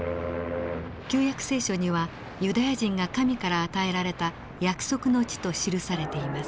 「旧約聖書」にはユダヤ人が神から与えられた約束の地と記されています。